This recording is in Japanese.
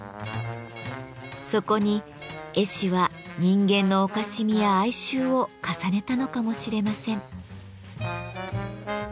そこに絵師は人間のおかしみや哀愁を重ねたのかもしれません。